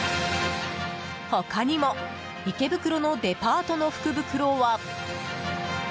他にも池袋のデパートの福袋は。